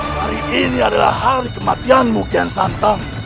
hari ini adalah hari kematianmu ken santam